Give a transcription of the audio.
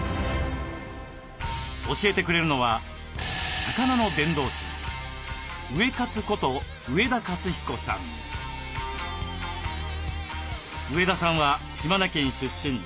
教えてくれるのは上田さんは島根県出身。